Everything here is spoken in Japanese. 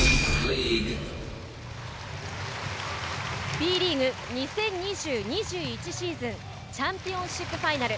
Ｂリーグ２０２０‐２１シーズンチャンピオンシップファイナル。